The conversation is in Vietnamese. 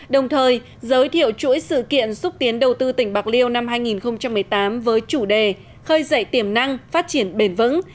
đồng thời giới thiệu chuỗi sự kiện xúc tiến đầu tư tỉnh bạc liêu năm hai nghìn một mươi tám với chủ đề khơi dậy tiềm năng phát triển bền vững